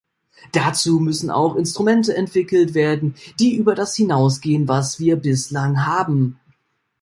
Dazu müssen auch Instrumente entwickelt werden, die über das hinausgehen, was wir bislang haben.